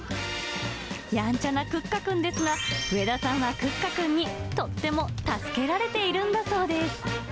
やんちゃなクッカくんですが、上田さんはクッカくんにとっても助けられているんだそうです。